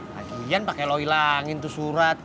kayaknya lo hilangin tuh surat